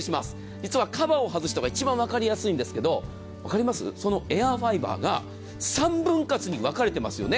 実はカバーを外すのが一番分かりやすいんですけどそのエアファイバーが３分割に分かれていますよね。